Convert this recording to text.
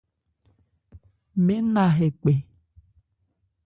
Mɛɛ́n na hɛ kpɛ.